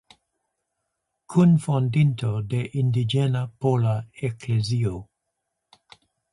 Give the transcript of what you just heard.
Kunfondinto de Indiĝena Pola Eklezio.